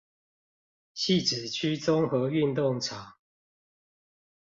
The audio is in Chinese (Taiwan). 汐止區綜合運動場